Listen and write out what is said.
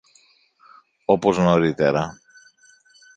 όπως νωρίτερα